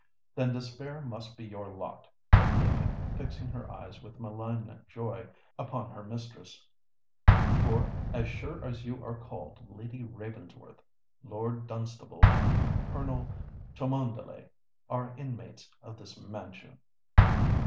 "Then despair must be your lot," said Lydia, fixing her eyes with malignant joy upon her mistress: "for—as sure as you are called Lady Ravensworth—Lord Dunstable and Colonel Cholmondeley are inmates of this mansion!"